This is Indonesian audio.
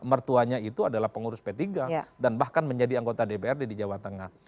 mertuanya itu adalah pengurus p tiga dan bahkan menjadi anggota dprd di jawa tengah